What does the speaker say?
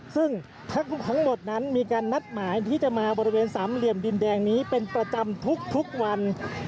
ซึ่งทั้งหมดนั้นมีการนัดหมายที่จะมาบริเวณสามเหลี่ยมดินแดงนี้เป็นประจำทุกวัน